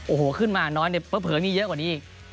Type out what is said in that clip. โอ้โหขึ้นมาน้อยเนี่ยเผลอมีเยอะกว่านี้อีก